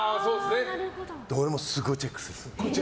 俺も、すごいチェックする。